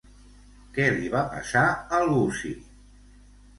Què li va passar al gussi?